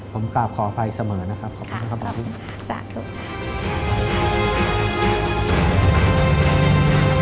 ผมกลับขออภัยเสมอนะครับ